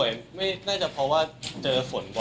อยู่กันครบ